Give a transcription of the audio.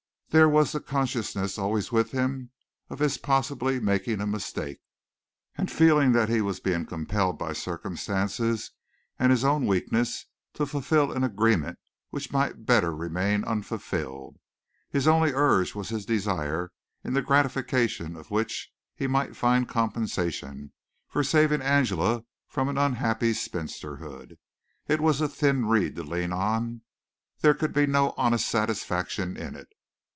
There was the consciousness, always with him, of his possibly making a mistake; the feeling that he was being compelled by circumstances and his own weakness to fulfil an agreement which might better remain unfulfilled. His only urge was his desire, in the gratification of which he might find compensation, for saving Angela from an unhappy spinsterhood. It was a thin reed to lean on; there could be no honest satisfaction in it.